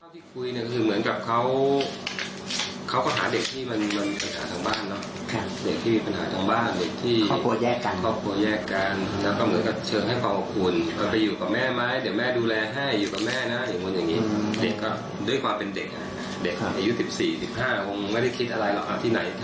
ที่ไหนให้งองสุดหนูก็ไปค่าตัวเด็กได้เท่าไรครับ